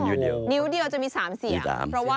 นิ้วเดียวจะมี๓เสียง